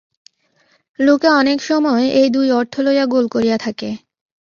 লোকে অনেক সময় এই দুই অর্থ লইয়া গোল করিয়া থাকে।